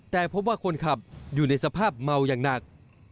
แต่พบว่าคนขับอยู่ในสภาพเมาอย่างหนัก